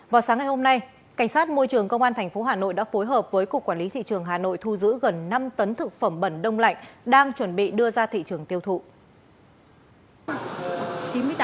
vào sáng ngày hôm nay cảnh sát môi trường công an tp hà nội đã phối hợp với cục quản lý thị trường hà nội thu giữ gần năm tấn thực phẩm bẩn đông lạnh đang chuẩn bị đưa ra thị trường tiêu thụ